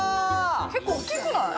結構おっきくない？